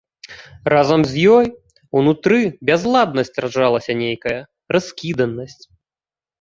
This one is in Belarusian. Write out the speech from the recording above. Разам з ёй унутры бязладнасць раджалася нейкая, раскіданасць.